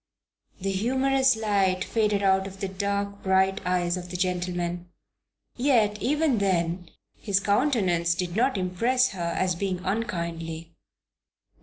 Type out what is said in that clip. The humorous light faded out of the dark, bright eyes of the gentleman. Yet even then his countenance did not impress her as being unkindly.